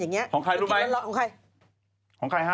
จากกระแสของละครกรุเปสันนิวาสนะฮะ